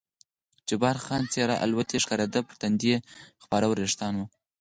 جبار خان څېره الوتی ښکارېده، پر تندي یې خپاره وریښتان.